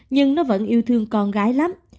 nhưng nó vẫn yêu thương con gái lắm